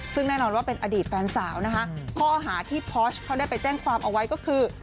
ซึ่งแน่นอนว่าเป็นอดีตแฟนสาวนะคะข้อหาที่พอชเขาได้ไปแจ้งความเอาไว้ก็คือ